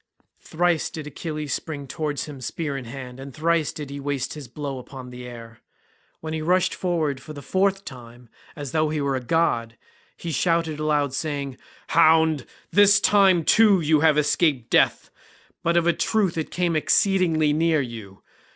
Thrice did Achilles spring towards him spear in hand, and thrice did he waste his blow upon the air. When he rushed forward for the fourth time as though he were a god, he shouted aloud saying, "Hound, this time too you have escaped death—but of a truth it came exceedingly near you.